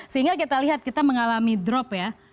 sehingga kita lihat kita mengalami drop ya